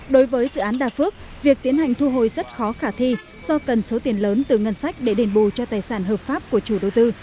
đối với dự án đà phước việc tiến hành thu hồi rất khó khả thi do cần số tiền lớn từ ngân sách để đền bù cho tài sản hợp pháp của chủ đầu tư